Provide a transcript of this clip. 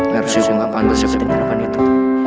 harusnya gue gak pandai sakitin harapan itu